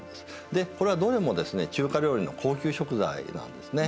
でこれはどれもですね中華料理の高級食材なんですね。